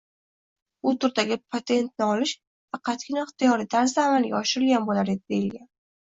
«Bu turdagi patentni olish faqatgina ixtiyoriy tarzda amalga oshirilgan bo‘lar edi», – deyilgan.